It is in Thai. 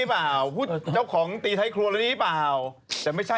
พูดเจ้าของตีไทยครัวแล้วนี้หรือเปล่า